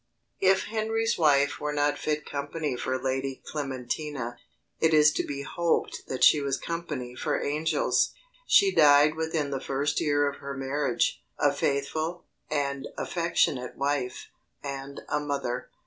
If Henry's wife were not fit company for Lady Clementina, it is to be hoped that she was company for angels. She died within the first year of her marriage, a faithful, an affectionate wife, and a mother.